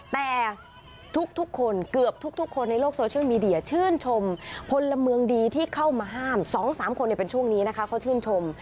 แต่ทุกคนเกือบทุกคนในโลกโซเชียลมีเดียชื่นชมพลเมืองดีที่เข้ามาห้าม๒๓คนเป็นช่วงนี้นะคะเขาชื่นชม